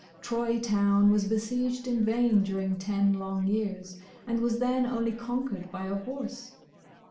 Troy town was besieged in vain during ten long years, and was then only conquered by a horse.